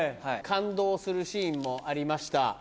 感動するシーンもありました